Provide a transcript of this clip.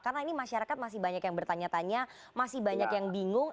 karena ini masyarakat masih banyak yang bertanya tanya masih banyak yang bingung